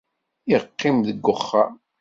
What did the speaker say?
Iqqim deg-wexxam.